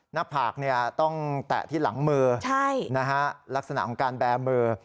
หน้าผากต้องแตะที่หลังมือลักษณะของการแบร์มือ